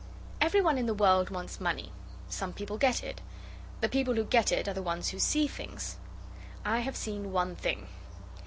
'Every one in the world wants money. Some people get it. The people who get it are the ones who see things. I have seen one thing.